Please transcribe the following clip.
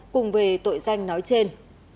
cùng về tội danh nói trên